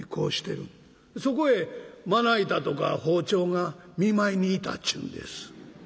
そこへまな板とか包丁が見舞いに行たっちゅうんです。